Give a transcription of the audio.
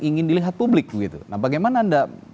ingin dilihat publik begitu nah bagaimana anda